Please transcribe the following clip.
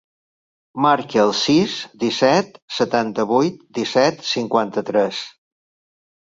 Marca el sis, disset, setanta-vuit, disset, cinquanta-tres.